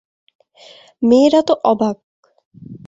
মেয়েরা তো অবাক।